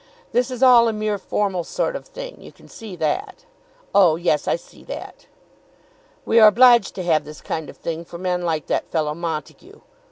This is all a mere formal sort of thing. You can see that." "Oh yes, I see that." "We are obliged to have this kind of thing for men like that fellow Montague.